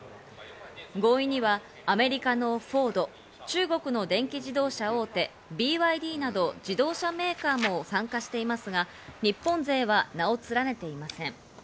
合意にはアメリカのフォード、中国の電気自動車大手ＢＹＤなど自動車メーカーも参加していますが、日本勢は名を連ねていません。